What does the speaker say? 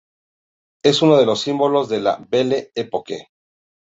Es uno de los símbolos de la Belle Époque.